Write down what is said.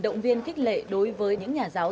động viên khích lệ đối với những nhà giáo